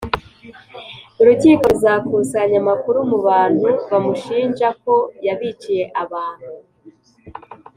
Urukiko ruzakusanya amakuru mu bantu bamushinja ko yabiciye abantu